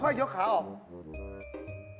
ค่อยยกขาออก